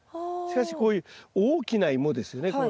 しかしこういう大きなイモですよね